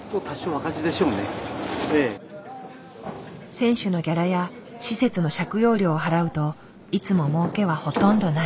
選手のギャラや施設の借用料を払うといつも儲けはほとんどない。